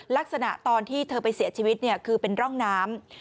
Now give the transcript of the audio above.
ลักษณะตอนที่เธอไปเสียชีวิตคือเป็นร่องน้ำ